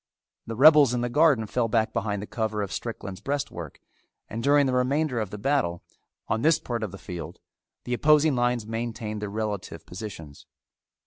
The rebels in the garden fell back behind the cover of Strickland's breastwork and during the remainder of the battle, on this part of the field, the opposing lines maintained these relative positions.